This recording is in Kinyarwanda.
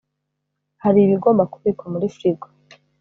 hari ibigomba kubikwa muri frigo